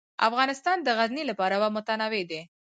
افغانستان د غزني له پلوه متنوع دی.